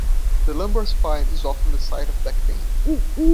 The lumbar spine is often the site of back pain.